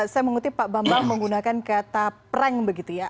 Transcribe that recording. saya mengutip pak bambang menggunakan kata prank begitu ya